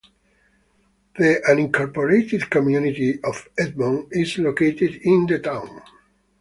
The unincorporated community of Edmund is located in the town.